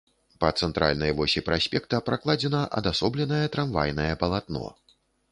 Па цэнтральнай восі праспекта пракладзена адасобленае трамвайнае палатно.